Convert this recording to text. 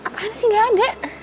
apahasih gak ada